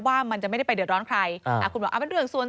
ว่ามันจะไม่ได้ไปเดือดร้อนใครคุณบอกเป็นเรื่องส่วนตัว